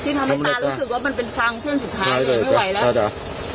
ทำให้ตารู้สึกว่ามันเป็นพลังเส้นสุดท้ายเลยไม่ไหวแล้วจ้ะ